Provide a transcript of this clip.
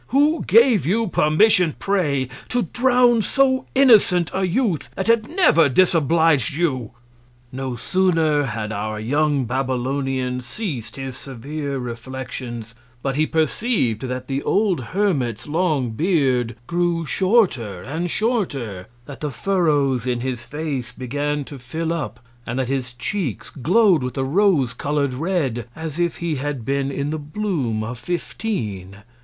Who gave you Permission pray, to drown so innocent a Youth, that had never disoblig'd you? No sooner had our young Babylonian ceas'd his severe Reflections, but he perceiv'd that the old Hermit's long Beard grew shorter and shorter; that the Furrows in his Face began to fill up, and that his Cheeks glow'd with a Rose coloured Red, as if he had been in the Bloom of Fifteen.